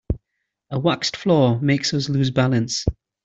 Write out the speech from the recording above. A waxed floor makes us lose balance.